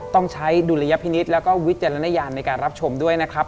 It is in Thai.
ต้องใช้ดุลยพินิษฐ์แล้วก็วิจารณญาณในการรับชมด้วยนะครับ